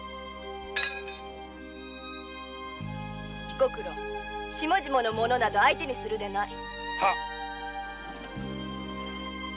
彦九郎下々の者など相手にするでない。